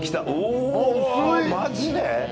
お、マジで？